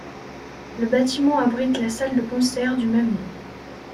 Le bâtiment abrite la salle de concert du même nom.